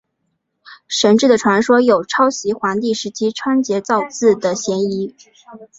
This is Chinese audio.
神志的传说有抄袭黄帝时期仓颉造字的嫌疑。